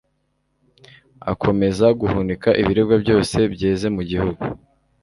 akomeza guhunika ibiribwa byose byeze mu gihugu